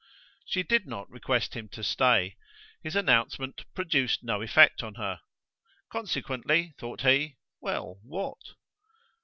She did not request him to stay: his announcement produced no effect on her. Consequently, thought he well, what?